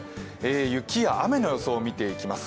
雪や雨の予想を見ていきます。